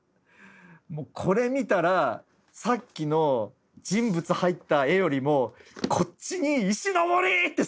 もうこれ見たらさっきの人物入った絵よりもこっちに「石森！」って叫びたくなるんですよ。